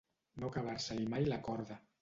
No acabar-se-li mai la corda.